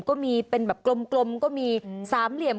ก็มีเป็นแบบกลมก็มีสามเหลี่ยม